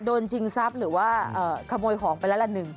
ชิงทรัพย์หรือว่าขโมยของไปแล้วละหนึ่ง